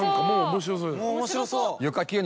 面白そう！